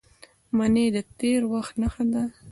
منی د تېر وخت نښه ده